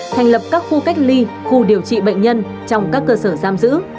thành lập các khu cách ly khu điều trị bệnh nhân trong các cơ sở giam giữ